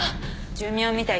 寿命みたい。